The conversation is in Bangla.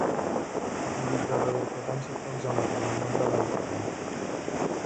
এ বিদ্যালয়ের প্রধান শিক্ষক জনাব মোহাম্মদ বেলাল উদ্দীন।